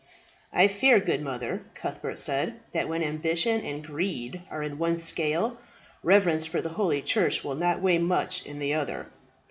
"I fear, good mother," Cuthbert said, "that when ambition and greed are in one scale, reverence for the holy church will not weigh much in the other.